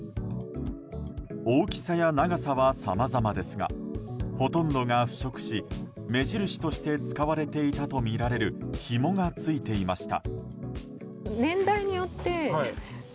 大きさや長さはさまざまですがほとんどが腐食し目印として使われていたとみられるひもがついていました。